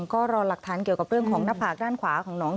ก็รอหลักฐานเกี่ยวกับเรื่องของหน้าผากด้านขวาของน้อง